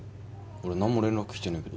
俺何も連絡来てねえけど。